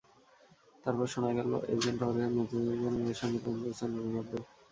তারপর শোনা গেল, এজেন্ট হোর্হে মেন্ডেজের মেয়ের সঙ্গে প্রেম করছেন রোনালদো।